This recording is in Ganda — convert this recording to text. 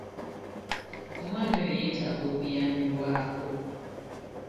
Omwana oyo yeetaaga okuyambibwako.